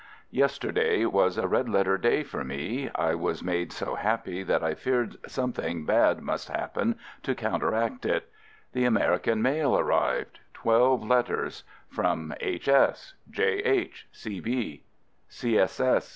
Yesterday was a red letter day for me — I was made so happy that I feared something bad must happen to counteract it. The American mail arrived !— twelve letters — from H. S., J. H.